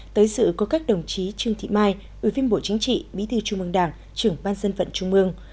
tới sự có các đồng chí trương thị mai ủy viên bộ chính trị bí thư trung mương đảng trưởng ban dân vận trung mương